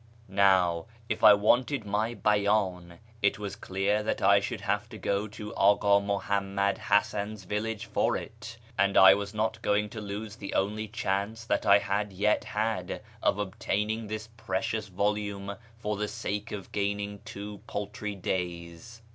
Now, if I wanted my Bcydn, it was clear that I should have to go to Akii Muhammad Hasan's village for it, and I was not going to lose the only chance that I had yet had of obtaining this precious volume for the sake of gaining two paltry days.